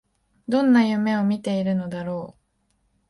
どんな夢を見ているのだろう